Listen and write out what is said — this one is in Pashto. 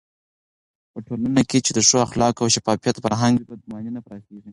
په ټولنه کې چې د ښو اخلاقو او شفافيت فرهنګ وي، بدګماني نه پراخېږي.